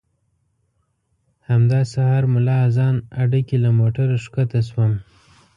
همدا سهار ملا اذان اډه کې له موټره ښکته شوم.